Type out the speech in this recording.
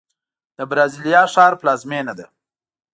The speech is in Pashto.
د برازیلیا ښار پلازمینه ده.